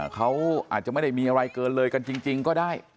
เขาอาจจะไม่ได้มีอะไรเกินเลยกันจริงก็ได้